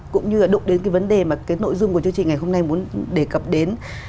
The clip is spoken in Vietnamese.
cũng như là đụng đến cái vấn đề mà cái nội dung của chương trình ngày hôm nay muốn đề cập đến